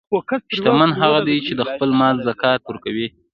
شتمن هغه دی چې د خپل مال زکات ورکوي.